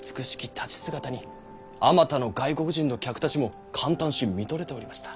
立ち姿にあまたの外国人の客たちも感嘆し見とれておりました。